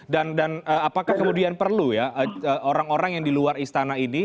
dan apakah kemudian perlu ya orang orang yang diluar istana ini